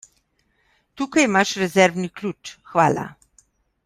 Tukaj imaš rezervni ključ, hvala.